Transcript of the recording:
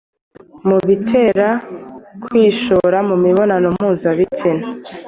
mu bitera kwishora mu mibonano mpuzabitsina,